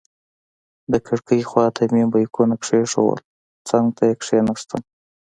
د کړکۍ خواته مې بیکونه کېښودل، څنګ ته کېناستم.